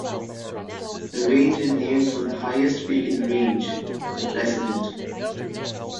The range is named for the highest peak in the range, The President.